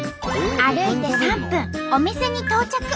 歩いて３分お店に到着。